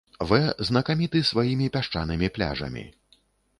Вэ знакаміты сваімі пясчанымі пляжамі.